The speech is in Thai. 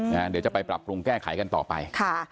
เดี๋ยวจะไปปรับปรุงแก้ไขกันต่อไป